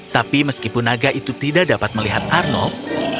tapi meskipun naga itu tidak dapat melihat arnold